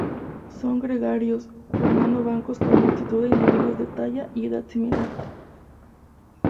Son gregarios, formando bancos con multitud de individuos de talla y edad similar.